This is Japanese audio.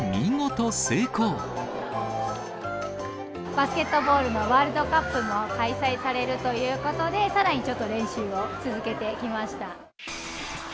バスケットボールのワールドカップも開催されるということで、さらにちょっと練習を続けてきました。